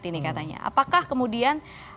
ini katanya apakah kemudian